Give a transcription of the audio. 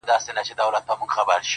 باران دي وي سیلۍ دي نه وي،